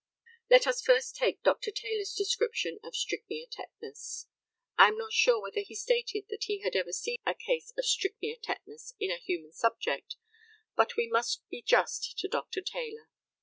Let us first take Dr. Taylor's description of strychnia tetanus. I am not sure whether he stated that he had ever seen a case of strychnia tetanus in a human subject; but we must be just to Dr. Taylor.